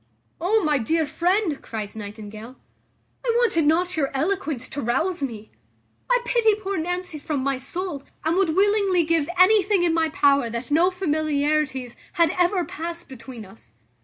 "O, my dear friend!" cries Nightingale, "I wanted not your eloquence to rouse me. I pity poor Nancy from my soul, and would willingly give anything in my power that no familiarities had ever passed between us.